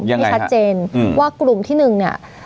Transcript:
ยังไงไม่ชัดเจนอืมว่ากลุ่มที่หนึ่งเนี้ย